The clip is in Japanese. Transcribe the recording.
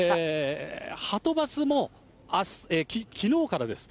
はとバスもきのうからです。